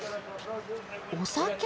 お酒？